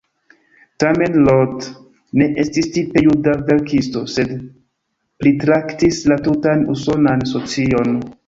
Tamen Roth ne estis tipe juda verkisto, sed pritraktis la tutan usonan socion.